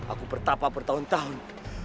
aku bertapa bertahun tahun